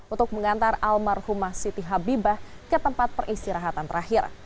untuk mengantar almarhumah siti habibah ke tempat peristirahatan terakhir